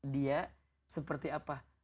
dia seperti apa